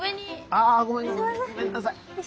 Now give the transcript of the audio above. あごめんごめんなさい。